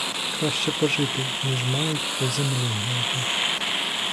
Краще пожити, ніж мають у землі гнити.